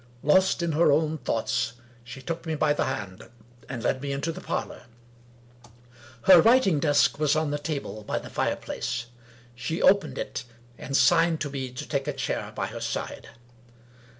Lost in her own thoughts, she took me by the hand, and led me into the parlor. Her 234 Wilkie Collins writing desk was. on the table by the fireplace. She opened it, and signed to me to take a chair by her side.